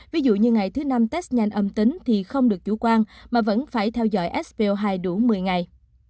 ví dụ như ngày thứ năm test nhanh âm tính thì không được chủ quan mà vẫn phải theo dõi svl hai đủ một mươi ngày